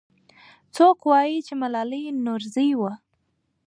څوک وایي چې ملالۍ نورزۍ وه؟